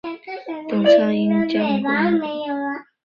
董昌因功补石镜镇将。